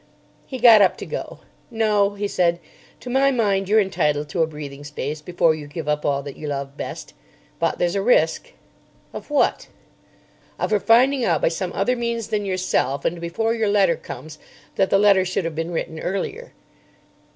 He got up to go. "No," he said. "To my mind, you're entitled to a breathing space before you give up all that you love best. But there's a risk." "Of what?" "Of her finding out by some other means than yourself and before your letter comes, that the letter should have been written earlier.